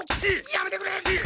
やめてくれ！